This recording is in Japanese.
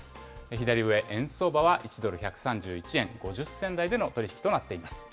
左上、円相場は１ドル１３１円５０銭台の取り引きとなっています。